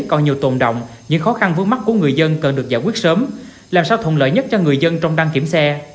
còn nhiều tồn động những khó khăn vướng mắt của người dân cần được giải quyết sớm làm sao thuận lợi nhất cho người dân trong đăng kiểm xe